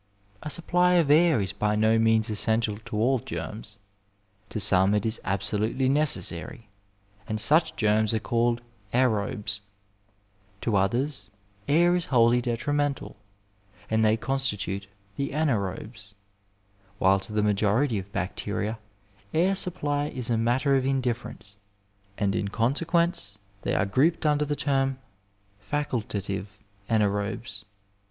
A supply of air is by no means essential to all germs. To some it is absolutely necessary, and such germs are called aerobes. All 241 ^ r^ 1 Digitized by VjOOQIC MEDICINB IN THE NINETEENTH CENTURY To otheiB air is wholly detrimental, and they constitute the anaerobes, while to the majority of bacteria air supply is a matter of indifference, and in consequence they are grouped under the term facultative anaerobes.